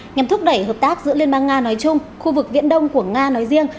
nhằm thúc đẩy hợp tác giữa liên bang nga nói chung khu vực viễn đông của nga nói riêng